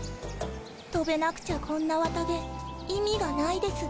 とべなくちゃこんな綿毛意味がないです。